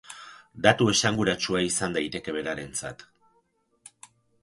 Datu esanguratsua izan daiteke berarentzat.